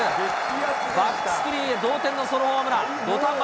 バックスクリーンへ同点のソロホームラン。